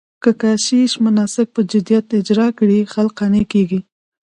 که کشیش مناسک په جديت اجرا کړي، خلک قانع کېږي.